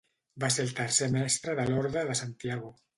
Va ser el tercer mestre de l'Orde de Santiago.